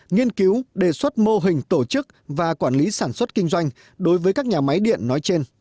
nghiên cứu đề xuất mô hình tổ chức và quản lý sản xuất kinh doanh đối với các nhà máy điện nói trên